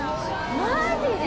マジで？